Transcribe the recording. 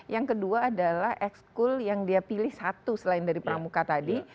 yang kedua adalah exkul yang dia pilih satu selain dari pramuka tadi